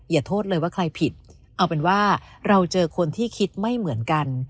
อย่าโทษเลยว่าใครผิดเอาเป็นว่าเราเจอคนที่คิดไม่เหมือนกัน